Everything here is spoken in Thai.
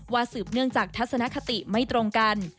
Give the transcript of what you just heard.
สืบเนื่องจากทัศนคติไม่ตรงกัน